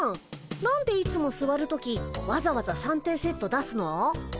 何でいつもすわる時わざわざ三点セット出すの？